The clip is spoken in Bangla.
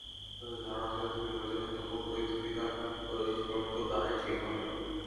তাঁদের ধারণা ছিল, নির্বাচনে তুমুল প্রতিদ্বন্দ্বিতা হলেও শেষ পর্যন্ত তাঁরাই জয়ী হবেন।